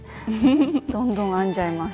どんどん編んじゃいます。